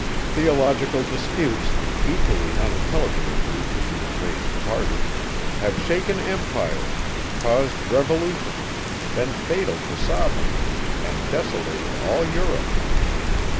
Theological disputes, equally unintelligible to each of the enraged parties, have shaken empires, caused revolutions, been fatal to sovereigns, and desolated all Europe.